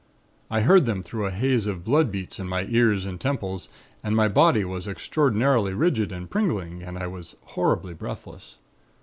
I heard them through a haze of blood beats in my ears and temples and my body was extraordinarily rigid and pringling and I was horribly breathless.